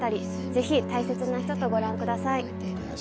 ぜひ大切な人とご覧ください。